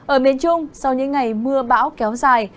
ở miền trung sau những ngày mưa bão kéo dài